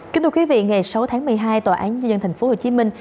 kính thưa quý vị ngày sáu tháng một mươi hai tòa án nhân dân thành phố hồ chí minh